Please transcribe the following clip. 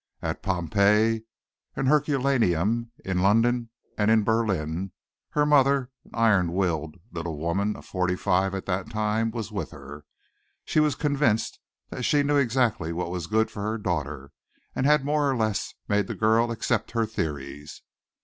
At Pompeii and Herculaneum in London and in Berlin her mother, an iron willed little woman at forty five at that time, was with her. She was convinced that she knew exactly what was good for her daughter and had more or less made the girl accept her theories.